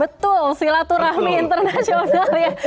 betul silaturahmi internasional ya